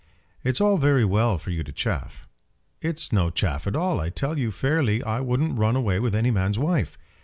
"It's all very well for you to chaff." "It's no chaff at all. I tell you fairly I wouldn't run away with any man's wife.